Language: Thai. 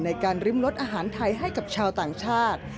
ริมรสอาหารไทยให้กับชาวต่างชาติ